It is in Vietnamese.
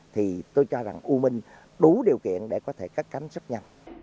thì tôi cho rằng u minh đủ điều kiện để có thể cắt cánh sức nhằm